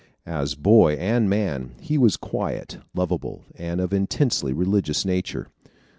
As boy and man, he was quiet, lovable, and of intensely religious nature.